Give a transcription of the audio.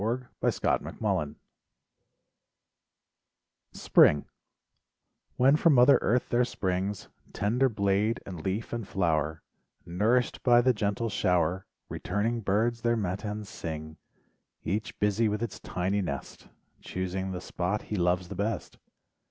LIFE WAVES 37 THE SEASONS SPRING When from mother earth there springs Tender blade and leaf and flower Nourished by the gentle shower, Returning birds th dr matins sing, Each busy with its tiny nest, Choosing the .spot he loves the best.